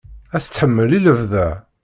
Ad t-tḥemmel i lebda.